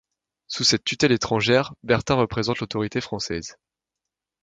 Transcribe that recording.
Sous cette tutelle étrangère, Bertin représente l’autorité française.